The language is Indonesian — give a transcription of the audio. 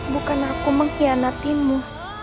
bukan aku mengkhianatimu